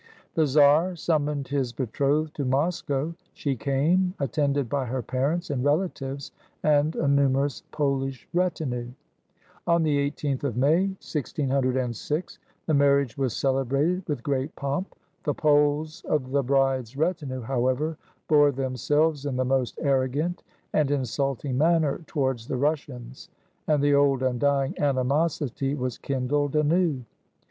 The czar summoned his betrothed to Moscow. She came, attended by her parents and relatives and a nu merous Polish retinue. On the i8th of May, 1606, the marriage was celebrated wuth great pomp. The Poles of the bride's retinue, however, bore themiselves in the most arrogant and insulting manner towards the Rus sians, and the old, undying animosity was kindled anew.